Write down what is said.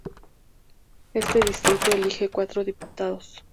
Este distrito elige cuatro diputados.